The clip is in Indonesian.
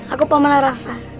aku pamanah rasa